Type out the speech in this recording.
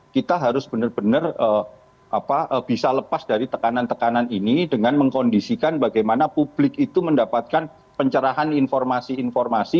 kita harus benar benar bisa lepas dari tekanan tekanan ini dengan mengkondisikan bagaimana publik itu mendapatkan pencerahan informasi informasi